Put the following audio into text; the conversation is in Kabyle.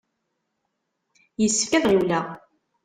Yessefk ad ɣiwleɣ!